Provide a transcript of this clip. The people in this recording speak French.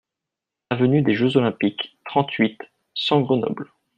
Avenue des Jeux Olympiques, trente-huit, cent Grenoble